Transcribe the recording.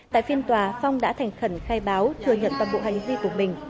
tại phiên tòa phong đã thành khẩn khai báo thừa nhận toàn bộ hành vi